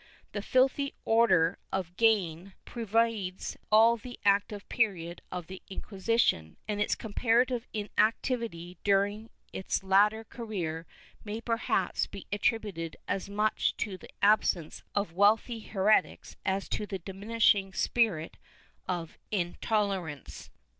The filthy odor of gain 528 RETROSPECT [Book IX pervades all the active period of the Inquisition, and its compara tive inactivity during its later career may perhaps be attributed as much to the absence of wealthy heretics as to the diminishing spirit of intolerance.